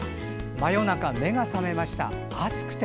真夜中目が覚めました、暑くて。